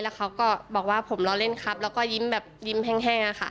เขาก็บอกว่าผมรอเล่นครับแล้วก็ยิ้มแบบยิ้มแห้งอะค่ะ